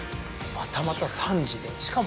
またまた賛辞でしかも。